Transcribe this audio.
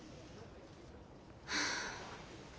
はあ。